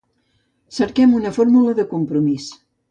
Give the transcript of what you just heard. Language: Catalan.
Cerquem una fórmula de compromís.